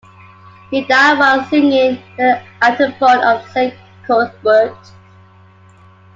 He died while singing the antiphon of Saint Cuthbert.